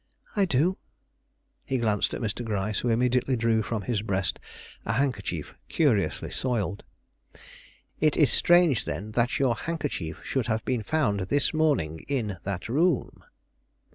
"I do." He glanced at Mr. Gryce, who immediately drew from his breast a handkerchief curiously soiled. "It is strange, then, that your handkerchief should have been found this morning in that room."